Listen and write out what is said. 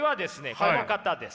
この方です。